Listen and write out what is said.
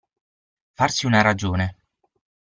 Farsi una ragione.